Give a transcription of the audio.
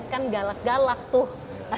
kan galak galak tuh